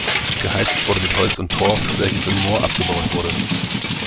Geheizt wurde mit Holz und Torf, welches im Moor abgebaut wurde.